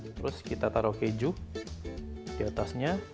terus kita taruh keju di atasnya